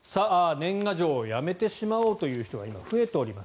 年賀状をやめてしまおうという人が今、増えております。